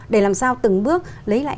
để làm sao từng bước lấy lại